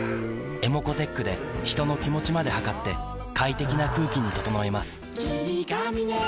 ｅｍｏｃｏーｔｅｃｈで人の気持ちまで測って快適な空気に整えます